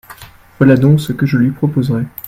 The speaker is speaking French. voilà donc ce que je lui proposerais.